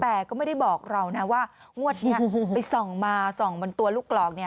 แต่ก็ไม่ได้บอกเรานะว่างวดนี้ไปส่องมาส่องบนตัวลูกหลอกเนี่ย